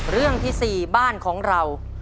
เรื่องที่๔บ้านของเรา